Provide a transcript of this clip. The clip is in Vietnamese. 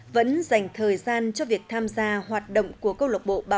vẫn dành thời gian cho việc tham gia hoạt động của công lộc bộ bảo tồn văn hóa